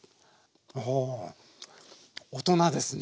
お大人ですね。